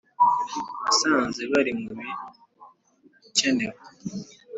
nasanze biri mu bikenewe